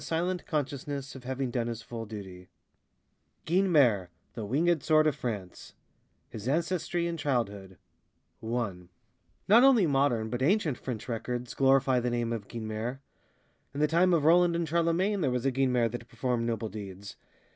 Y. [Illustration: GEORGES GUYNEMER, WHEN HE BEGAN HIS FLIGHTS] GUYNEMER, THE WINGÈD SWORD OF FRANCE His Ancestry and Childhood ONE Not only modern, but ancient French records glorify the name of Guynemer. In the time of Roland and Charlemagne, there was a Guinemer that performed noble deeds.